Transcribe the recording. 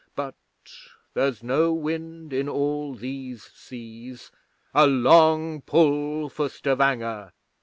But there's no wind in all these seas. A long pull for Stavanger!